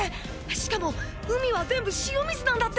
しかも「海」は全部塩水なんだって！